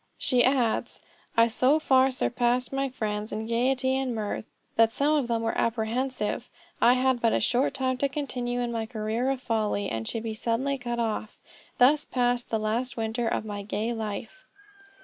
She adds, "I so far surpassed my friends in gayety and mirth, that some of them were apprehensive I had but a short time to continue in my career of folly, and should be suddenly cut off. Thus passed the last winter of my gay life."